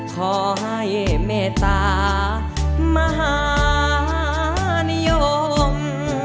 ขอให้เมตตามหานิยม